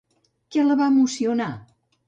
Què la va emocionar?